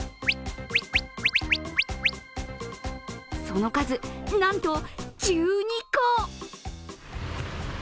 その数、なんと１２個。